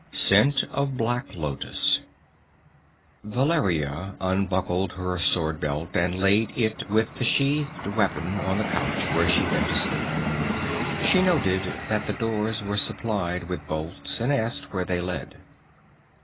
Scent of Black Lotus_ Valeria unbuckled her sword belt and laid it with the sheathed weapon on the couch where she meant to sleep. She noted that the doors were supplied with bolts, and asked where they led.